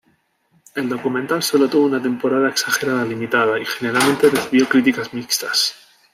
El documental sólo tuvo una temporada exagerada limitada y generalmente recibió críticas mixtas.